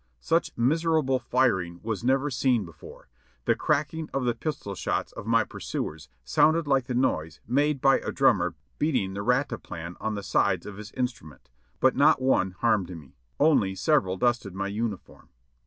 Such miserable firing was never seen before. The cracking of the pistol shots of my pursuers sounded like the noise made SHADOWS 68 1 by a drummer beating the "rat a plan" on the sides of his instru ment; but not one harmed me, only several dusted my uniform.